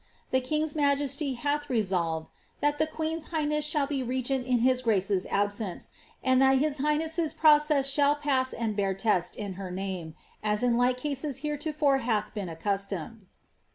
The king'A majestj I resolved. tli:it the queen's highness sliall bo regent in his (grace's absence, that Iiis hi^hhess's process .shall pass and bear test in her name, as in like m heretofore hath been accustomed.''